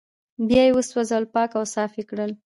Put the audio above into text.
بيا يې وسوځول پاک او صاف يې کړل